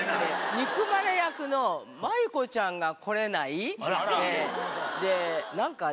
憎まれ役の麻友子ちゃんが来れない。